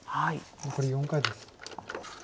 残り４回です。